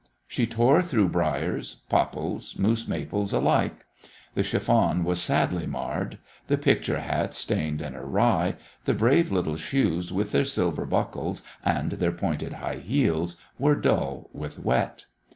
She tore through briers, popples, moose maples alike. The chiffon was sadly marred, the picture hat stained and awry, the brave little shoes with their silver buckles and their pointed high heels were dull with wet.